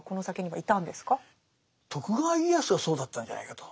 はい。